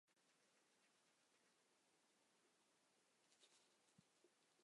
要懂得怎么隐藏身份